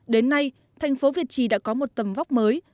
đến nay thành phố việt trì đã có một tầm vóc mới